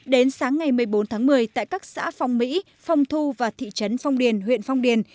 đến sáng ngày một mươi bốn tháng một mươi tại các xã phong mỹ phong thu và thị trấn phong điền huyện phong điền